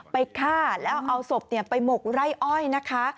ฆ่าแล้วเอาศพไปหมกไร่อ้อยนะคะ